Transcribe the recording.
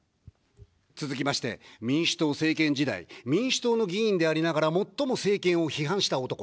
続きまして、民主党政権時代、民主党の議員でありながら最も政権を批判した男。